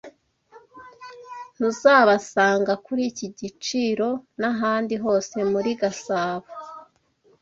Ntuzabasanga kuri iki giciro nahandi hose muri Gasabo.